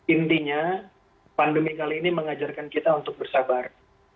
intinya pandemi kali ini mengajarkan kita untuk bersabar